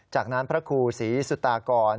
จากนั้นพระครูศรีสุตากร